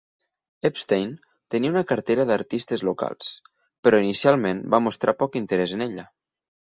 Epstein tenia una cartera d'artistes locals però inicialment va mostrar poc interès en ella.